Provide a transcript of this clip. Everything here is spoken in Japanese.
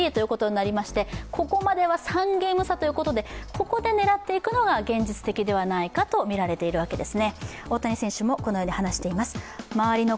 ここで狙っていくのが現実的ではないかとみられているわけです。